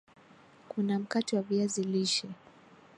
Kuna mkate wa viazi lishe